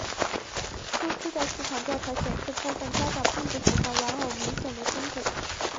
初期的市场调查显示部份家长并不喜欢玩偶明显的胸部。